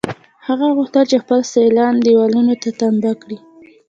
هغه غوښتل چې خپل سیالان دېوالونو ته تمبه کړي